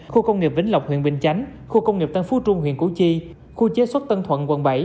khu công nghiệp vĩnh lộc huyện bình chánh khu công nghiệp tân phú trung huyện củ chi khu chế xuất tân thuận quận bảy